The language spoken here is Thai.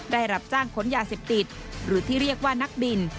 ได้รับจ้างขนยาเสพติดหรือที่เรียกว่านักบิน